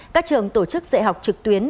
các trường tổ chức dạy học trực tuyến